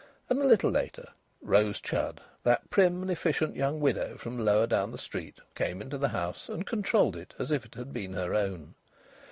And a little later, Rose Chudd, that prim and efficient young widow from lower down the street, came into the house and controlled it as if it had been her own.